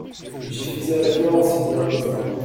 J’y faisais référence il y a un instant.